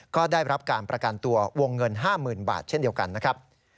ก็ได้รับการประกันตัววงเงิน๕๐๐๐บาทเช่นเดียวกันนะครับ